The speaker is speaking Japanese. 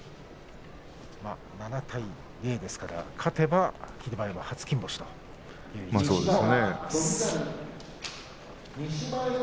７対０ですから勝てば霧馬山初金星となります。